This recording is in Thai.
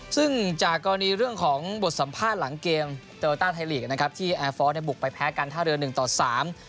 ซึ่งจากกรณีเรื่องของบทสัมภาษณ์หลังเกมโตโลต้าไทยลีกนะครับที่แอร์ฟอร์สเนี่ยบุกไปแพ้การท่าเรือหนึ่งต่อสาม